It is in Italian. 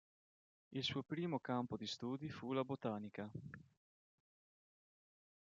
Il suo primo campo di studi fu la botanica.